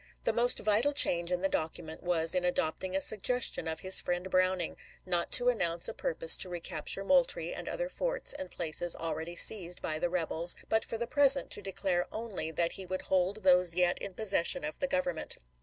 The most vital change in the document was in adopting a suggestion of his friend Brown ing, not to announce a purpose to recapture Moultrie and other forts and places already seized by the rebels, but for the present to declare only that he would hold those yet in possession of the Government.